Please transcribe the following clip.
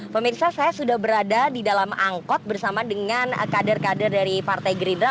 pemirsa saya sudah berada di dalam angkot bersama dengan kader kader dari partai gerindra